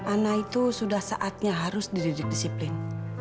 anak itu sudah saatnya harus dididik disiplin